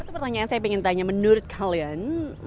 pertanyaan saya pengen tanya menurut kalian